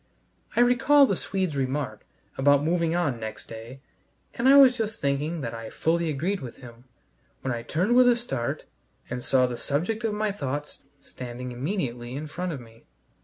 I recall the Swede's remark about moving on next day, and I was just thinking that I fully agreed with him, when I turned with a start and saw the subject of my thoughts standing immediately in front of me.